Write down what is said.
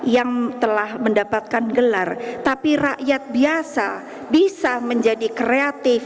yang telah mendapatkan gelar tapi rakyat biasa bisa menjadi kreatif